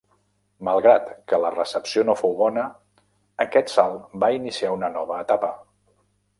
Malgrat que la recepció no fou bona, aquest salt va iniciar una nova etapa.